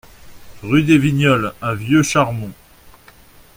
Rue des Vignoles à Vieux-Charmont